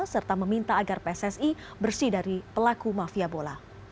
serta meminta agar pssi bersih dari pelaku mafia bola